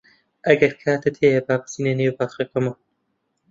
ئەگەر کاتت هەیە با بچینە نێو باخەکەمان.